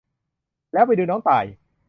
แล้วไปดูน้องต่าย